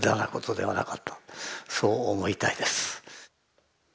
そう思いたいです。